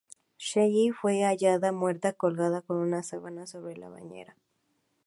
Shelly fue hallada muerta colgada con una sábana sobre la bañera.